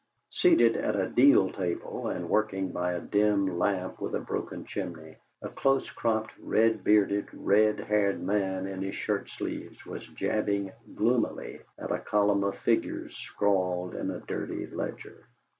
Seated at a deal table, and working by a dim lamp with a broken chimney, a close cropped, red bearded, red haired man in his shirt sleeves was jabbing gloomily at a column of figures scrawled in a dirty ledger.